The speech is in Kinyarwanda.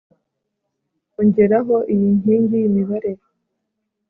Ongeraho iyi nkingi yimibare